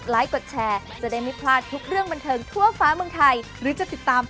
รอดูเปิดเรือนหออะไรหนึ่งนะคะติดตามนะคะ